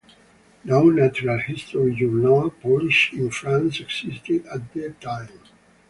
No natural history journal published in France existed at the time.